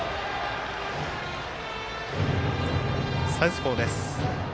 サウスポーです。